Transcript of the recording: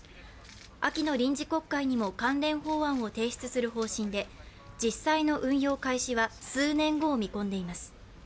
秋の臨時国会にも関連法案を提出する方針で実際の運用開始は数年後を見込んでいます。